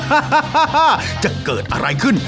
ฮาฮะฮาฮาจะเกิดอะไรขึ้น